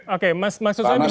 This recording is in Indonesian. oke mas maksudnya begini